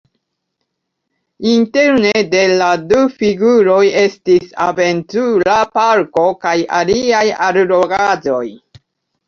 Interne de la du figuroj estis aventura parko kaj aliaj allogaĵoj.